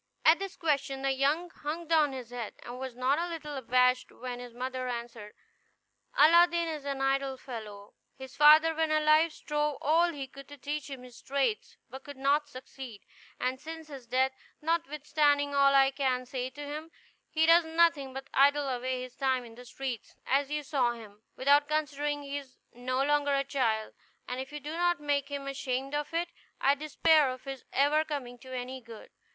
At this question the youth hung down his head, and was not a little abashed when his mother answered, "Aladdin is an idle fellow. His father, when alive, strove all he could to teach him his trade, but could not succeed; and since his death, notwithstanding all I can say to him, he does nothing but idle away his time in the streets, as you saw him, without considering he is no longer a child; and if you do not make him ashamed of it, I despair of his ever coming to any good.